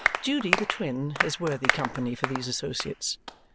Judy the twin is worthy company for these associates.